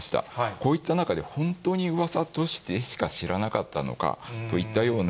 こういった中で、本当にうわさとしてしか知らなかったのかといったような